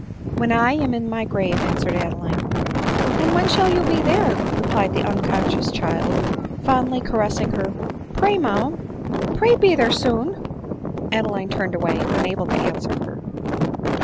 " When I am in my grave," answered Adeline. •" And when shall you be there ?" replied the uncon scious child, fondly caressing her; "pray, mamma — pray be there soon !" Adeline turned away, unable to answer her.